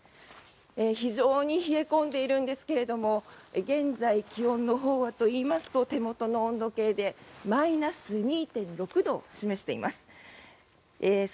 非常に冷え込んでいるんですが現在、気温のほうはといいますと手元の温度計でマイナス２．６度を示しています。